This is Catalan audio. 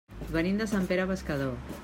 Venim de Sant Pere Pescador.